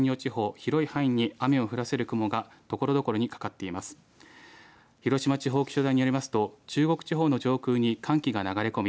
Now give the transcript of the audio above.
広島地方気象台によりますと中国地方の上空に寒気が流れ込み